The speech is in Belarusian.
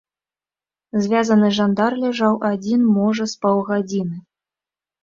Звязаны жандар ляжаў адзін, можа, з паўгадзіны.